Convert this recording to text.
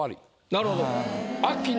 なるほど。